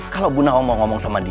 kalau bu nao mau ngomong sama dia